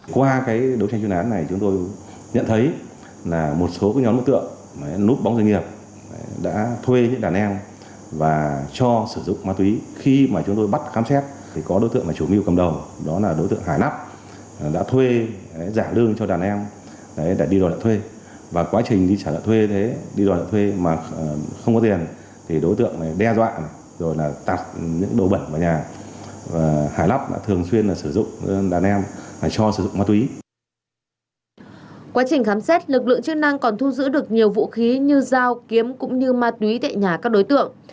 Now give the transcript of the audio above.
quá trình khám xét lực lượng chức năng còn thu giữ được nhiều vũ khí như dao kiếm cũng như ma túy tại nhà các đối tượng